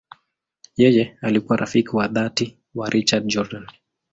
Yeye alikuwa rafiki wa dhati wa Richard Jordan.